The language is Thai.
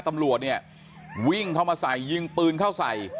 ตำรวจเนี่ยวิ่งเข้ามาใส่ยิงปืนเข้าใส่